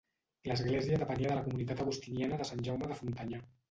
L'església depenia de la comunitat agustiniana de Sant Jaume de Frontanyà.